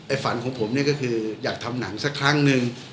ฝันของผมเนี่ยก็คืออยากทำหนังสักครั้งนึง